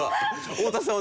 太田さん